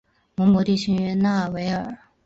博蒙地区讷维尔。